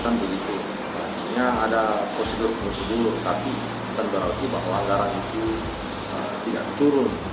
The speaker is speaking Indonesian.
dan berarti bahwa anggaran itu tidak turun